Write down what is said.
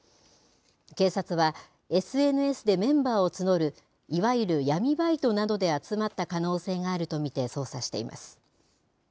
警察は、ＳＮＳでメンバーを募る、いわゆる闇バイトなどで集まった可能性があると見て捜査しています。